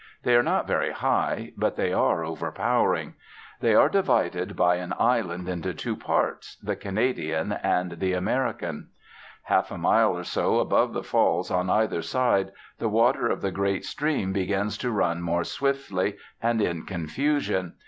They are not very high, but they are overpowering. They are divided by an island into two parts, the Canadian and the American. Half a mile or so above the Falls, on either side, the water of the great stream begins to run more swiftly and in confusion.